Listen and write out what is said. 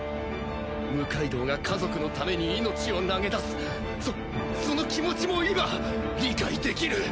六階堂が家族のために命を投げ出すそその気持ちも今理解できる！